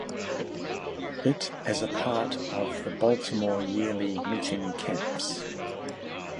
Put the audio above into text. It as a part of the Baltimore Yearly Meeting Camps.